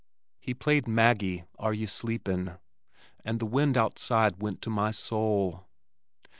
He played, "Maggie, Air Ye Sleepin," and the wind outside went to my soul.